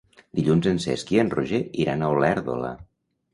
Dilluns en Cesc i en Roger iran a Olèrdola.